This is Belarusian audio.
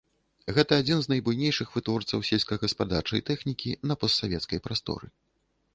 Гэта адзін з найбуйнейшых вытворцаў сельскагаспадарчай тэхнікі на постсавецкай прасторы.